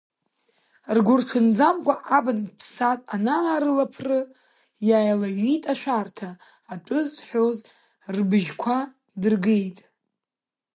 Ргәырҽанӡамкәа абнатә ԥсаатә анаарылаԥры, иааилаҩҩит, ашәарҭа атәы зҳәоз рбыжьқәа дыргеит.